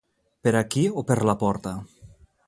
Per aquí o per la porta.